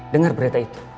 dengar berita itu